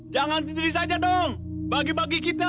dua ratus dua belas jangan sendiri saja dong bagi bagi kita